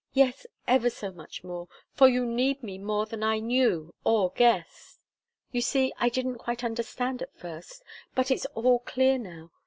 Yes, ever so much more, for you need me more than I knew or guessed. You see, I didn't quite understand at first, but it's all clear now.